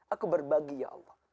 aku berbagi ya allah